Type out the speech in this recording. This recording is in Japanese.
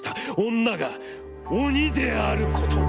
女が鬼であることを。